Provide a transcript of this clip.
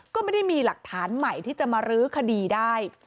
ก็ไม่ได้มีหลักฐานใหม่ที่จะมารื้อคดีได้